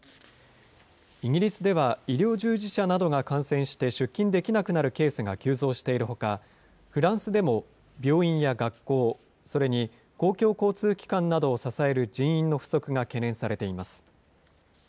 イギリスでは、医療従事者などが感染して出勤できなくなるケースが急増しているほか、ふらんすでも病院や学校、それに公共交通機関などを支える人員の不足が懸念されています。